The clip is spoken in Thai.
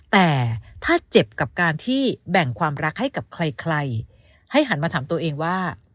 แต่ถ้าเจ็บกับการที่แบ่งความรักให้กับใครให้หันมาถามตัวเองว่า